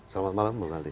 selamat malam bang khalid